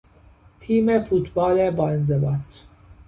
تیم فوتبال با انضباط